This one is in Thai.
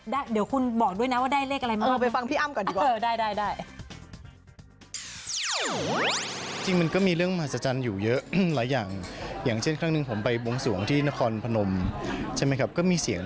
เดี๋ยวคุณบอกด้วยนะว่าได้เลขอะไรมาก